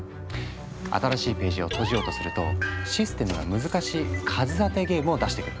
新しいページをとじようとするとシステムが難しい数当てゲームを出してくる。